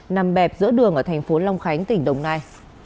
nằm bẹp giữa đường ở tp long khánh tỉnh đồng nai